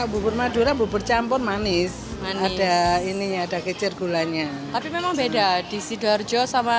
bubur madura bubur campur manis ada ini ada kecer gulanya tapi memang beda di sidoarjo sama